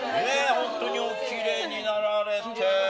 本当におきれいになられて。